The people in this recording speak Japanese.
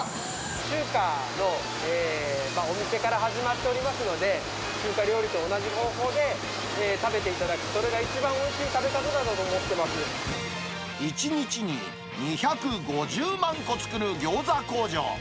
中華のお店から始まっておりますので、中華料理と同じ方法で食べていただく、それが一番おい１日に２５０万個作るギョーザ工場。